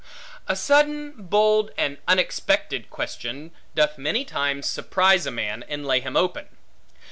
A sudden, bold, and unexpected question doth many times surprise a man, and lay him open.